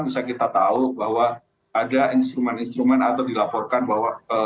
misalnya kita tahu bahwa ada instrumen instrumen atau dilaporkan bahwa